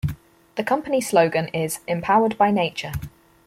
The company slogan is "Empowered By Nature".